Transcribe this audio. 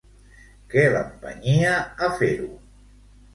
Què l'empenyia a fer-ho?